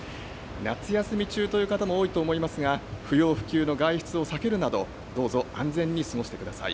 夏休み中という方も多いと思いますが、不要不急の外出を避けるなど、どうぞ安全に過ごしてください。